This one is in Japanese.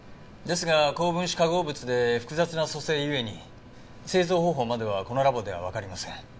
ですが高分子化合物で複雑な組成ゆえに製造方法まではこのラボではわかりません。